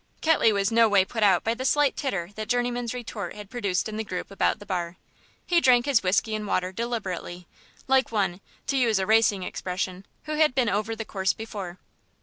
Ketley was no way put out by the slight titter that Journeyman's retort had produced in the group about the bar. He drank his whisky and water deliberately, like one, to use a racing expression, who had been over the course before.